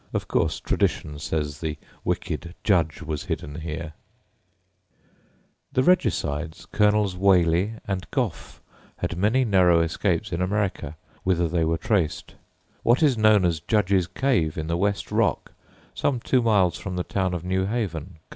Of course tradition says the "wicked judge was hidden here." [Illustration: ENTRANCE GATE, BRADSHAWE HALL, DERBYSHIRE] The regicides Colonels Whalley and Goffe had many narrow escapes in America, whither they were traced. What is known as "Judge's Cave," in the West Rock some two miles from the town of New Haven, Conn.